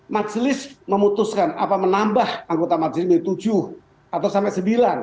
majelis memutuskan apa menambah anggota majelis menjadi tujuh atau sampai sembilan